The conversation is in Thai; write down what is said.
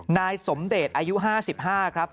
นายสมเดชอายุ๕๕ครับ